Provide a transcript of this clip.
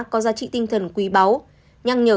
có giá trị tinh thần quý báu nhăng nhở